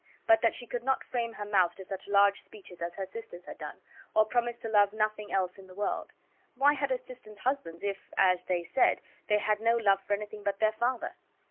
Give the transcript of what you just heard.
But that she could not frame her mouth to such large speeches as her sisters had done, or promise to love nothing else in the world. Why had her sisters husbands if (as they said) they had no love for anything but their father?